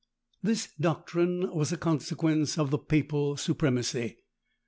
This doctrine was a consequence of the papal supremacy.